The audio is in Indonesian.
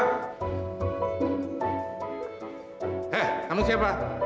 hah kamu siapa